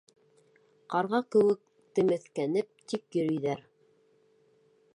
Ҡарға кеүек темеҫкенеп тик йөрөйҙәр.